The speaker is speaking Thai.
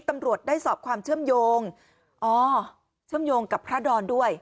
ตำรวจได้สอบความเชื่อมโยงอ๋อเชื่อมโยงกับพระดอนด้วย